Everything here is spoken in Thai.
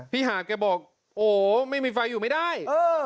พี่หาบแกบอกโอ้โหดองไม่มีไฟอยู่ไม่ได้